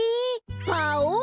パオン！